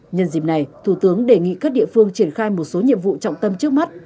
nhân dịp này thủ tướng đề nghị các địa phương triển khai một số nhiệm vụ trọng tâm trước mắt